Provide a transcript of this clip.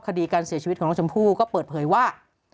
คดีการเสียชีวิตของน้องชมพู่ก็เปิดเผยว่า